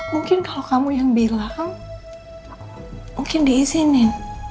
mungkin kalau kamu yang bilang mungkin diizinin